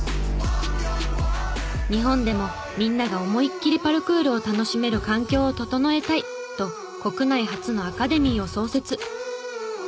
日本でもみんなが思いっきりパルクールを楽しめる環境を整えたいと国内初のアカデミーを創設。